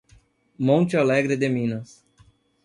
Monte Alegre de Minas